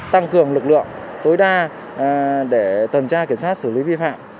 tăng cường lực lượng tối đa để tuần tra kiểm soát xử lý vi phạm